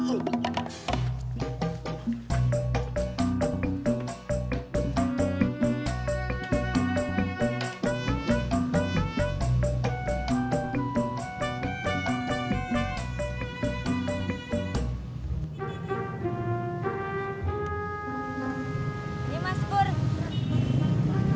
ini mas bur